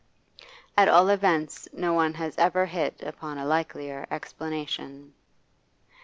At all events, no one has ever hit upon a likelier explanation.